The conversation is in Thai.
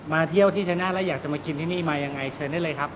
มาเที่ยวที่ชัยหน้าและอยากจะมากินที่นี่มาอย่างไรเชิญได้เลยครับ